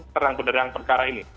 terang terang perkara ini